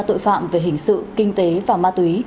tội phạm về hình sự kinh tế và ma túy